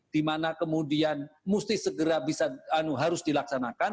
dimana kemudian mesti segera bisa harus dilaksanakan